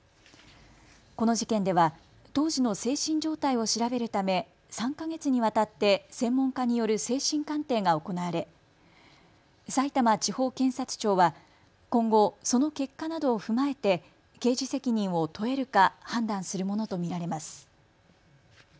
この事件では当時の精神状態を調べるため３か月にわたって専門家による精神鑑定が行われさいたま地方検察庁は今後、その結果などを踏まえて刑事責任を問えるか判断するものと見られます。